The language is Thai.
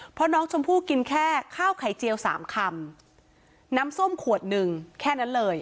เพราะน้องชมพู่กินแค่ข้าวไข่เจียวสามคำน้ำส้มขวดหนึ่งแค่นั้นเลย